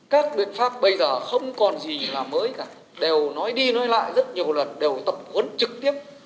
các biện pháp bây giờ không còn gì làm mới cả đều nói đi nói lại rất nhiều lần đều tập huấn trực tiếp